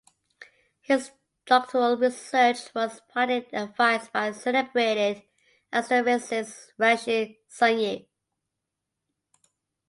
His doctoral research was partly advised by celebrated astrophysicist Rashid Sunyaev.